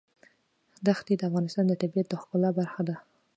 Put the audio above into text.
ښتې د افغانستان د طبیعت د ښکلا برخه ده.